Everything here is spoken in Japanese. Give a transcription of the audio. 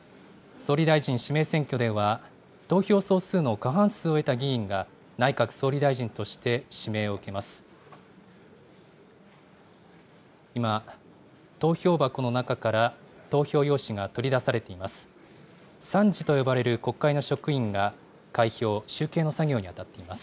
総理大臣指名選挙では、投票総数の過半数を得た議員が、内閣総理大臣として指名を受けます。